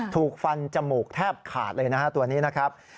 ถูกฟันจมูกแทบขาดเลยนะฮะตัวนี้นะครับ